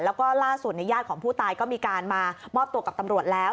แล้วก็ล่าสุดในญาติของผู้ตายก็มีการมามอบตัวกับตำรวจแล้ว